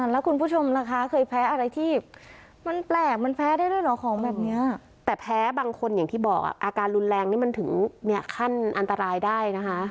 หายใจไม่ออกเลยอะนะคะ